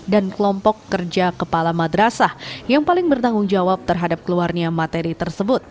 dan kelompok kerja kepala madrasah yang paling bertanggung jawab terhadap keluarnya materi tersebut